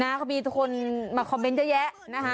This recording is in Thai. นะเขามีทุกคนมาคอมเมนต์เยอะแยะนะฮะ